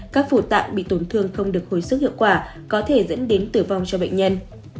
các phủ tạng bị tổn thương không được hồi sức hiệu quả có thể dẫn đến tử vong cho bệnh nhân